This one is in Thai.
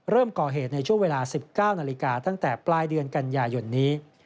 ก่อเหตุในช่วงเวลา๑๙นาฬิกาตั้งแต่ปลายเดือนกันยายนนี้